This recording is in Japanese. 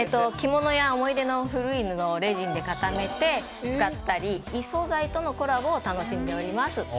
着物や思い出の古い布をレジンで固めて使ったり、異素材とのコラボを楽しんでおります。